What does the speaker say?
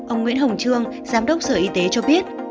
ông nguyễn hồng trương giám đốc sở y tế cho biết